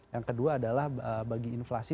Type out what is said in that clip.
yang kedua adalah bagi inflasi